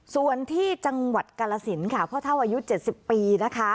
ส่วนที่จังหวัดกาลสินค่ะพ่อเท่าอายุ๗๐ปีนะคะ